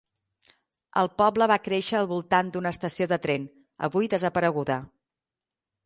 El poble va créixer al voltant d'una estació de tren, avui desapareguda.